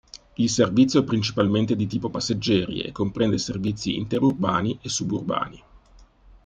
Il servizio è principalmente di tipo passeggeri e comprende servizi interurbani e suburbani.